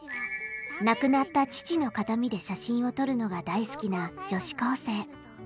亡くなった父の形見で写真を撮るのが大好きな女子高生。